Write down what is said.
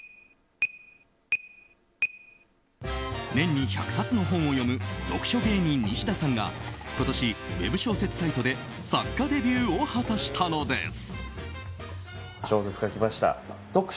年に１００冊の本を読む読書芸人、ニシダさんが今年ウェブ小説サイトで作家デビューを果たしたのです。